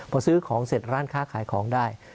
พอซื้อของเสร็จร้านค้าขายของได้